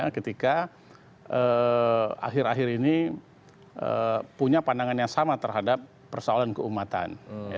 ketika akhir akhir ini punya pandangan yang sama terhadap persoalan keumatan